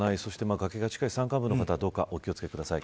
崖が近い山間部の方はお気を付けください。